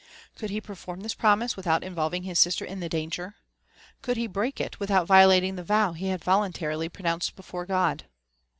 Could he perform this promise without involving his sister in the danger ? ^could he break it without violating the vow he had voluntarily pronounced before God?